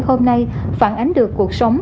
hôm nay phản ánh được cuộc sống